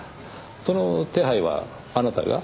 その手配はあなたが？